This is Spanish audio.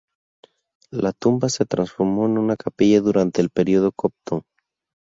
La tumba se transformó en una capilla durante el período copto.